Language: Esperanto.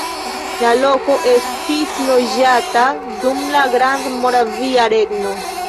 La loko estis loĝata dum la Grandmoravia Regno.